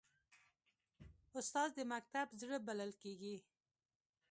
استاد د مکتب زړه بلل کېږي.